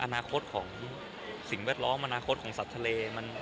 อนาคตของสิ่งแวดล้อมอนาคตของสัตว์ทะเล